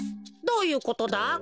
どういうことだ？